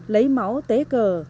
lấy máu tế cờ